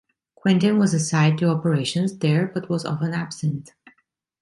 Quentin was assigned to operations there but was often absent.